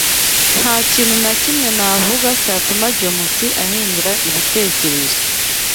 Nta kintu na kimwe navuga cyatuma James ahindura ibitekerezo.